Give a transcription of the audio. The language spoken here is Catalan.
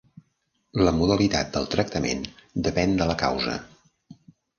La modalitat del tractament depèn de la causa.